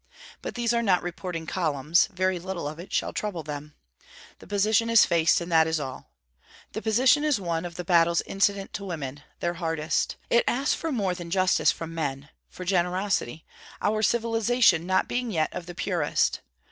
But these are not reporting columns; very little of it shall trouble them. The position is faced, and that is all. The position is one of the battles incident to women, their hardest. It asks for more than justice from men, for generosity, our civilization not being yet of the purest.